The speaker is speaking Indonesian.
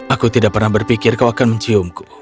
aku tidak pernah berpikir kau akan menciumku